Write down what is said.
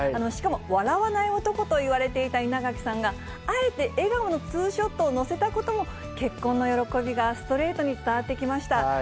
しかも、笑わない男と言われていた稲垣さんが、あえて笑顔のツーショットを載せたことも、結婚の喜びがストレートに伝わってきました。